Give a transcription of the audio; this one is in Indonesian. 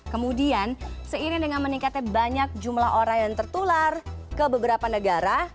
kemudian seiring dengan meningkatnya banyak jumlah orang yang tertular ke beberapa negara